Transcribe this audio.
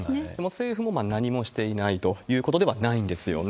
政府も何もしていないということではないんですよね。